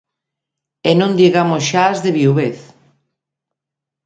E non digamos xa as de viuvez.